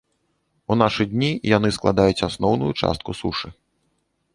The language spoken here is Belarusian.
У нашы дні яны складаюць асноўную частку сушы.